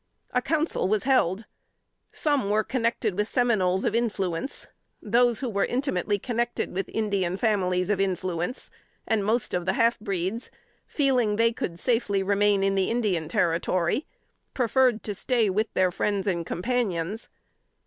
A Council was held. Some were connected with Seminoles of influence. Those who were intimately connected with Indian families of influence, and most of the half breeds, feeling they could safely remain in the Indian territory, preferred to stay with their friends and companions.